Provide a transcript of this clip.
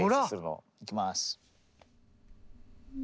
いきます。